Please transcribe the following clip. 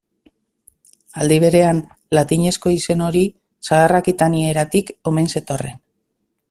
Aldi berean, latinezko izen hori zahar-akitanieratik omen zetorren.